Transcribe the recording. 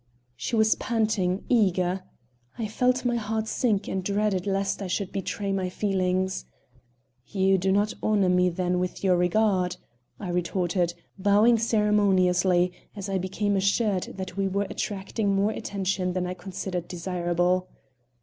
She was panting, eager. I felt my heart sink and dreaded lest I should betray my feelings. "You do not honor me then with your regard," I retorted, bowing ceremoniously as I became assured that we were attracting more attention than I considered desirable.